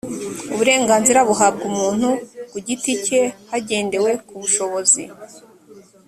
uburenganzira buhabwa umuntu ku giti cye hagendewe ku bushobozi